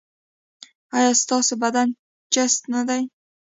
ایا ستاسو بدن چست نه دی؟